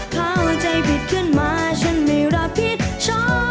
พาหัวใจผิดขึ้นมาฉันไม่รักพี่ช้อ